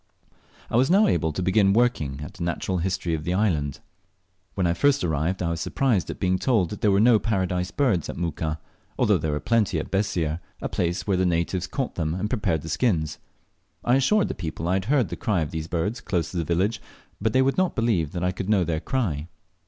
I was now able to begin working at the natural history of the island. When I first arrived I was surprised at being told that there were no Paradise Birds at Muka, although there were plenty at Bessir, a place where the natives caught them and prepared the skins. I assured the people I had heard the cry of these birds close to the village, but they world not believe that I could know their cry.